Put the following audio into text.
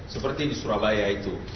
seperti di surabaya itu